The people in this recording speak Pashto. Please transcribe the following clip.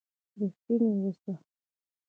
رښتينی اوسه